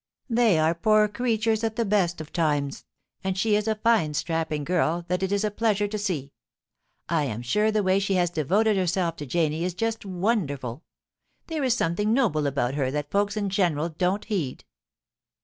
They are poor creatures at the best of times, and she is a fine strapping girl that it is a pleasure to see. I am sure the way she has devoted herself to Janie is just wonderful. There is something noble about her that folks in general don't heed.'